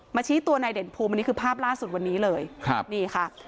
ชี้ตัวนายเด่นภูมิอันนี้คือภาพล่าสุดวันนี้เลยครับนี่ค่ะ